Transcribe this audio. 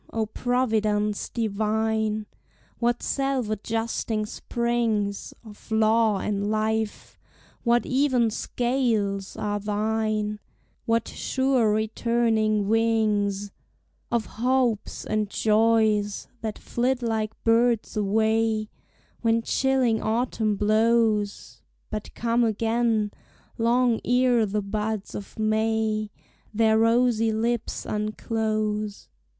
O Providence divine! What self adjusting springs Of law and life, what even scales, are thine, What sure returning wings Of hopes and joys, that flit like birds away, When chilling autumn blows, But come again, long ere the buds of May Their rosy lips unclose!